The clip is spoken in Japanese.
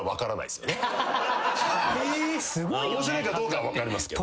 面白いかどうかは分かりますけど。